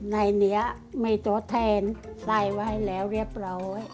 ในนี้มีตัวแทนได้ไว้แล้วเรียบร้อย